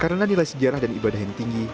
karena nilai sejarah dan ibadah yang tinggi